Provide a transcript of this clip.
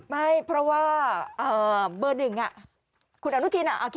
ไม่เพราะว่าเอ่อเบอร์หนึ่งอ่ะ